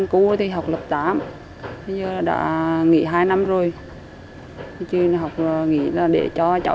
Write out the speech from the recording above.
còn lúc bão thì không gọi cho chú